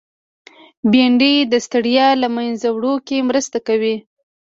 بېنډۍ د ستړیا له منځه وړو کې مرسته کوي